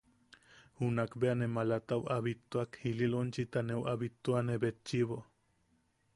Junak bea ne malatau a bittuak ili lonchita neu a bittuane betchiʼibo.